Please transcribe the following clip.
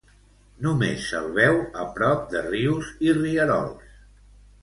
Només se'l veu a prop de rius i rierols.